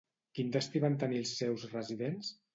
Quin destí van tenir els seus residents?